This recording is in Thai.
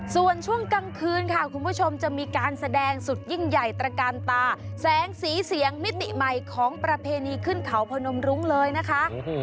ส่วนช่วงกลางคืนค่ะคุณผู้ชมจะมีการแสดงสุดยิ่งใหญ่ตระกาลตาแสงสีเสียงมิติใหม่ของประเพณีขึ้นเขาพนมรุ้งเลยนะคะ